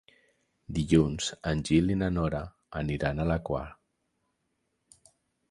Dilluns en Gil i na Nora aniran a la Quar.